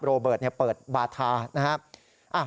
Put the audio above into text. โรเบิร์ตเปิดบาทานะครับ